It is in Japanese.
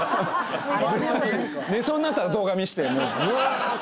寝そうになったら動画見してずっと。